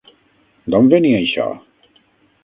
D'on venia això?